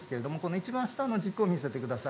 一番下の軸を見せてください。